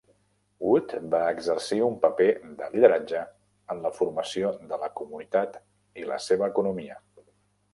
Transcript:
Wood va exercir un paper de lideratge en la formació de la comunitat i la seva economia.